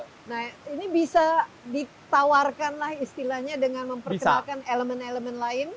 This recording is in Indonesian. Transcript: nah ini bisa ditawarkan lah istilahnya dengan memperkenalkan elemen elemen lain